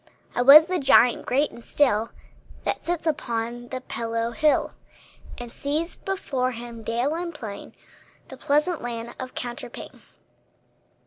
I was the giant great and still That sits upon the pillow hill, And sees before him, dale and plain, The pleasant land of counterpane.